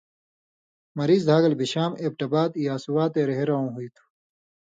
مریض دھاگلے بشام، ایبٹ آباد یا سواتے رِہرؤں ہُوئ تُھو۔